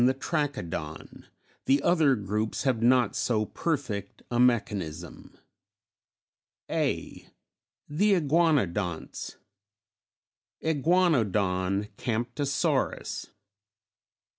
27); the other groups have not so perfect a mechanism. A. THE IGUANODONTS: IGUANODON, CAMPTOSAURUS.